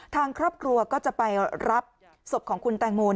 ทางครอบครัวก็จะไปรับศพของคุณแตงโม